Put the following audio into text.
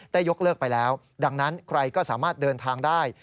ยกเลิกไปแล้วดังนั้นใครก็สามารถเดินทางได้